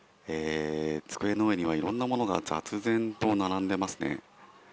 机の上にはいろんなものが雑然と並んでますね。